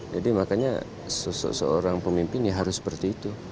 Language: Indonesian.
jadi makanya seseorang pemimpin ya harus seperti itu